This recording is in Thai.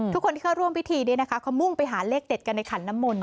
ทุกคนที่เขาร่วมพิธีนี้นะคะเขามุ่งไปหาเลขเด็ดกันในขันน้ำมน